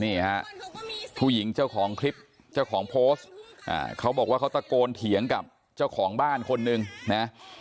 นี่ฮะผู้หญิงเจ้าของคลิปเจ้าของโพสต์เขาบอกว่าเขาตะโกนเถียงกับเจ้าของบ้านคนหนึ่งนะ